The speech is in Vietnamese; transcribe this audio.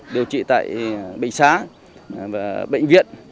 điều trị tại bệnh xá bệnh viện